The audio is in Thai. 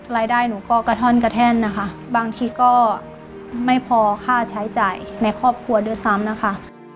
รายได้หนูก็กระท่อนกระแท่นนะคะบางทีก็ไม่พอค่าใช้จ่ายในครอบครัวด้วยซ้ำนะคะ